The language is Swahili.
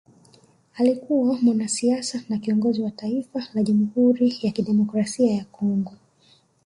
Alikuwa mwanasiasa na kiongozi wa Taifa la Jamhuri ya kidemokrasia ya Kongo